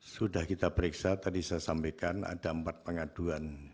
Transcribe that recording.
sudah kita periksa tadi saya sampaikan ada empat pengaduan